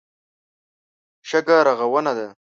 شګه رغونه ده.